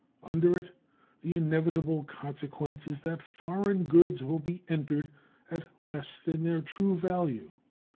Under it the inevitable consequence is that foreign goods will be entered at less than their true value.